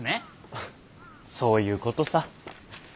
フッそういうことさ。